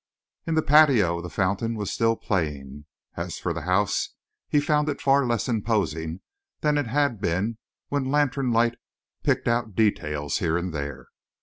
In the patio the fountain was still playing. As for the house, he found it far less imposing than it had been when lantern light picked out details here and there.